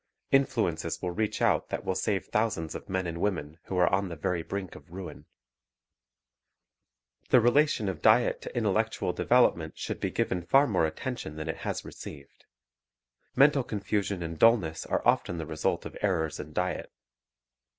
Influences will reach out that will save thousands of men and women who are on the very brink of ruin. Diet and Mental Development Nutrient Value of Foods The relation of diet to intellectual development should be given far more attention than it has received. Mental confusion and dulness are often the result of errors in diet.